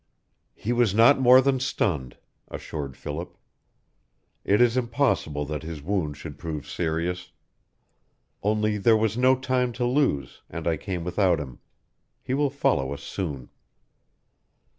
"He was not more than stunned," assured Philip. "It is impossible that his wound should prove serious. Only there was no time to lose, and I came without him. He will follow us soon."